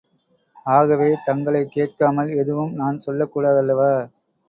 ஆகவே தங்களைக் கேட்காமல் எதுவும் நான்சொல்லக் கூடாதல்லவா?